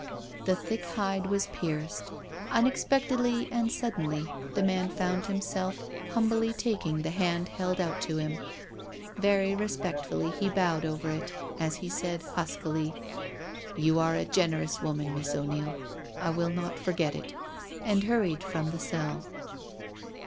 The thick hide was pierced. Unexpectedly and sud denly the man found himself humbly taking the hand held out to him. Very respectfully he bowed over it as he said huskily :" You are a generous woman, Miss O'Neil — I will not forget/' and hurried from the cell.